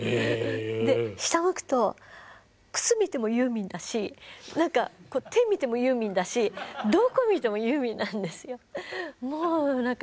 下向くと靴見てもユーミンだし手見てもユーミンだしどこ見てもユーミンなんですよ。